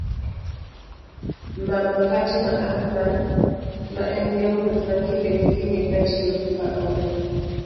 mama Fatma Athman ma en jawuoth ma kinde ka kinde katiyogi pawno